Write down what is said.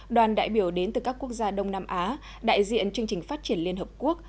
đoàn đại biểu đến từ các quốc gia đông nam á đại diện chương trình phát triển liên hợp quốc